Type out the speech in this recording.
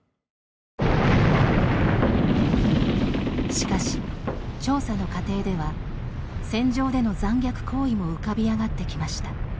しかし、調査の過程では戦場での残虐行為も浮かび上がってきました。